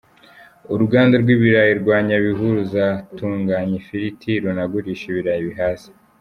Uruganda rw’ibirayi rwa Nyabihu ruzatunganya ifiriti runagurishe ibirayi bihase.